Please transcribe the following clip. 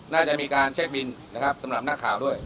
น่าจะมีการเช็คบินนะครับสำหรับหน้าข่าวด้วย